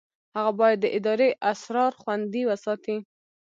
هغه باید د ادارې اسرار خوندي وساتي.